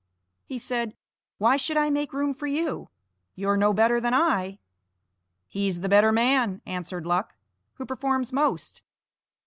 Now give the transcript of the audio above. He said: "Why should I make room for you? you're no better than I." "He's the better man," answered Luck, "who performs most.